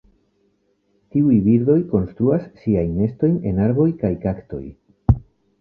Tiuj birdoj konstruas siajn nestojn en arboj kaj kaktoj.